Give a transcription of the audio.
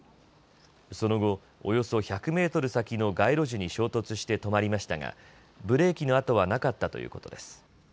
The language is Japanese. その後、およそ１００メートル先の街路樹に衝突して止まりましたがブレーキの跡はなかったということです。